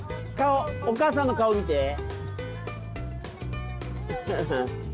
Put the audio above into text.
顔お母さんの顔を見て。